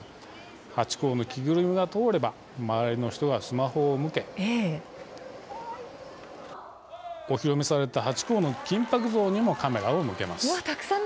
ハチ公の着ぐるみが通れば周りの人もスマホを向けお披露目されたハチ公の金ぱく像にもカメラを向けます。